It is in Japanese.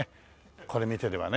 これ見てればね。